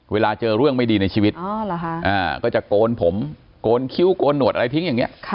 เวลาเจอเรื่องไม่ดีในชีวิตก็จะโกนผมโกนคิ้วโกนหนวดอะไรทิ้งอย่างนี้